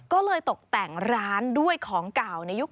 ก็เลยตกแต่งร้านด้วยของเก่าในยุค